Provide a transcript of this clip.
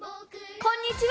こんにちは！